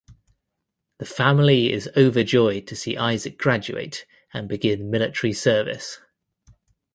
The family is overjoyed to see Isaac graduate and begin military service.